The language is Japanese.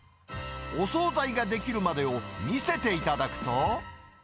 お総菜が出来るまでを見せていただくと。